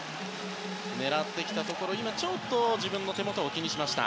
狙ってきたところ自分の手元を気にしました。